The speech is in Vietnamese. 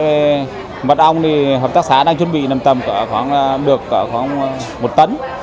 tại mật ong thì hợp tác xã đang chuẩn bị nằm tầm được khoảng một tấn